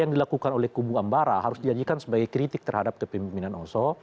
yang dilakukan oleh kubu ambara harus dijadikan sebagai kritik terhadap kepemimpinan oso